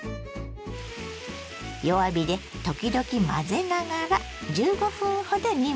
弱火で時々混ぜながら１５分ほど煮ましょ。